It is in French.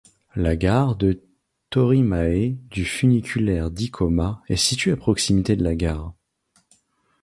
La gare de Toriimae du funiculaire d'Ikoma est située à proximité de la gare.